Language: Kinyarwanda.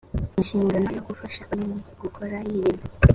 inshingano yo gufasha banki gukora yirinda